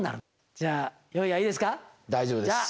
じゃあ用意はいいですか？